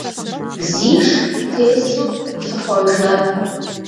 Зиш тесу лъыхъуэжа.